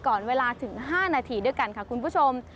ก่อนเวลาถึง๕นาทีด้วยกันค่ะคุณผู้ชม